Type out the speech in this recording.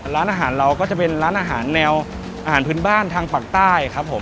ร้านอาหารเราก็จะเป็นร้านอาหารแนวอาหารพื้นบ้านทางปากใต้ครับผม